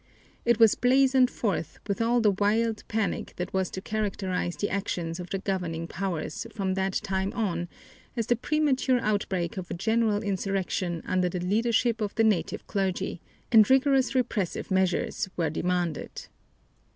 It was blazoned forth, with all the wild panic that was to characterize the actions of the governing powers from that time on, as the premature outbreak of a general insurrection under the leadership of the native clergy, and rigorous repressive measures were demanded.